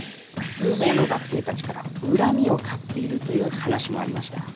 数名の学生たちから恨みを買っているという話もありました。